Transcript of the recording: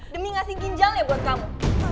demi ngasih ginjalnya buat kamu